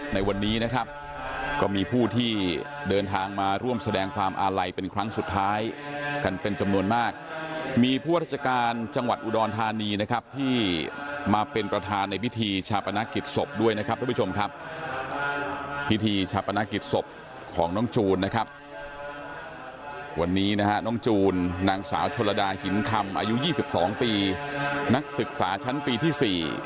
ในวันนี้นะครับก็มีผู้ที่เดินทางมาร่วมแสดงความอาลัยเป็นครั้งสุดท้ายกันเป็นจำนวนมากมีผู้ราชการจังหวัดอุดรธานีนะครับที่มาเป็นประธานในพิธีชาปนกิจศพด้วยนะครับทุกผู้ชมครับพิธีชาปนกิจศพของน้องจูนนะครับวันนี้นะฮะน้องจูนนางสาวชนลดาหินคำอายุ๒๒ปีนักศึกษาชั้นปีที่๔